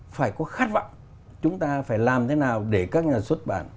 phải có khát vọng chúng ta phải làm thế nào để các nhà xuất bản